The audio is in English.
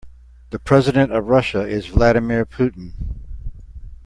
The president of Russia is Vladimir Putin.